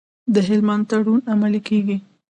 د هلمند تړون عملي کیږي؟